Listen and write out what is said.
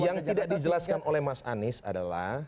yang tidak dijelaskan oleh mas anies adalah